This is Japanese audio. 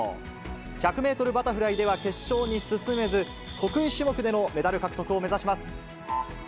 １００メートルバタフライでは決勝に進めず、得意種目でのメダル獲得を目指します。